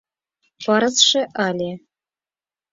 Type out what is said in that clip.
Пырысше ыле.